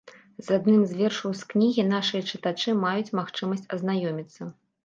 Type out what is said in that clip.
З адным з вершаў з кнігі нашыя чытачы маюць магчымасць азнаёміцца.